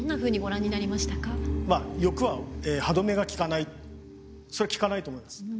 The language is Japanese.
まあ欲は歯止めが利かないそれは利かないと思うんです。